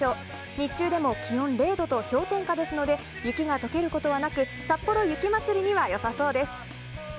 日中でも気温０度と氷点下ですので雪が解けることはなくさっぽろ雪まつりには良さそうです。